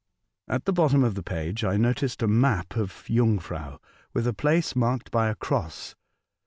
At the bottom of the page I noticed a map of Jungfrau with a place marked by a cross.